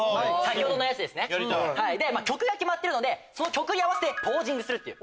曲が決まってるので曲に合わせてポージングする。